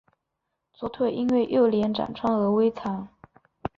左腿因为幼年长疮而微残。